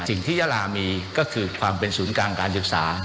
สิ่งที่ยะลามีก็คือความเป็นศูนย์การการยึกษา